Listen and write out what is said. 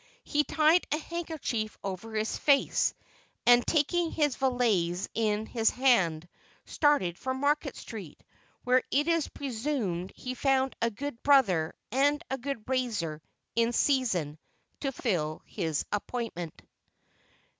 He tied a handkerchief over his face, and taking his valise in his hand, started for Market Street, where it is presumed he found a good brother and a good razor in season to fill his appointment.